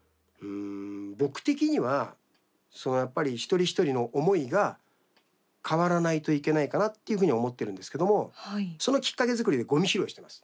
僕的には一人一人の思いが変わらないといけないかなと思っているんですけどそのきっかけ作りでごみ拾いしています。